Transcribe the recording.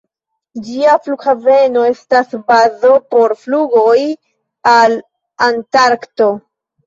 Ĝia flughaveno estas bazo por flugoj al Antarkto.